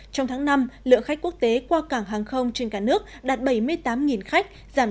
trong tháng năm lượng khách quốc tế qua cảng hàng không trên cả nước đạt bảy mươi tám khách giảm chín mươi bảy sáu